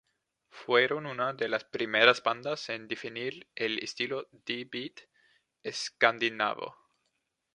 Fueron una de las primeras bandas en definir el estilo D-beat escandinavo.